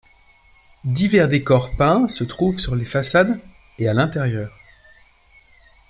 Divers décors peints se trouvent sur les façades et à l'intérieur.